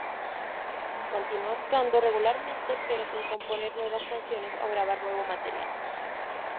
Continuó actuando regularmente pero sin componer nuevas canciones o grabar nuevo material.